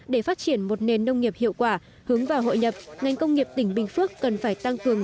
để phát triển một nền nông nghiệp hiệu quả hướng vào hội nhập ngành công nghiệp tỉnh bình phước cần phải tăng cường